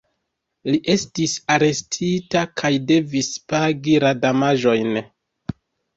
Li estis arestita kaj devis pagi la damaĝojn.